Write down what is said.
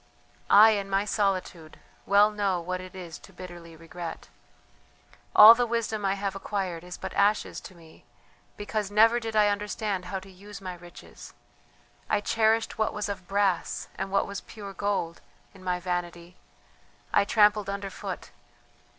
"I, in my solitude, well know what it is to bitterly regret. All the wisdom I have acquired is but ashes to me because never did I understand how to use my riches, I cherished what was of brass, and what was pure gold, in my vanity, I trampled underfoot.